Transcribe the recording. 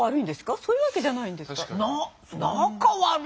そういうわけじゃないんですか？